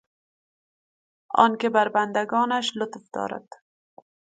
آنکه بر بندگانش لطف دارد